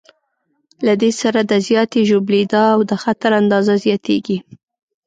له دې سره د زیاتې ژوبلېدا او د خطر اندازه زیاتېږي.